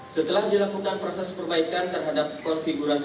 setelah dilakukan proses perbaikan terhadap pusdakin dipjen imigrasi